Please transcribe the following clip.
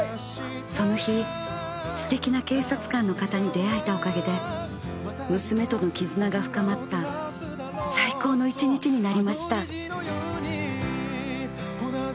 ［その日すてきな警察官の方に出会えたおかげで娘との絆が深まった最高の一日になりました］